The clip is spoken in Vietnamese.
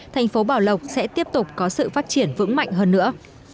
thành phố bảo lộc sẽ tiếp tục có sự phát triển vững mạnh hơn nữa